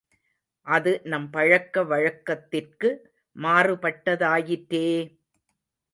அது நம் பழக்க வழக்கத்திற்கு மாறுபட்டதாயிற்றே!